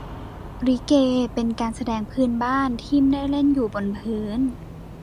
ลิเก เป็นการแสดงพื้นบ้าน ที่ไม่ได้เล่นอยู่บนพื้น